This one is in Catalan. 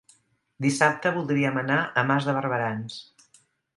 Dissabte voldríem anar a Mas de Barberans.